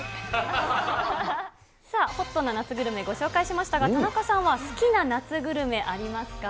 さあ、ＨＯＴな夏グルメ、ご紹介しましたが、田中さんは好きな夏グルメ、ありますか？